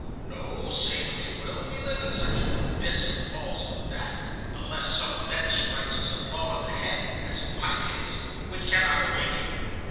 "No, say what you will, we live in such an abyss of falsehood, that, unless some event strikes us a blow on the head, as in my case, we cannot awaken.